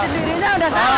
kecil dirinya udah salah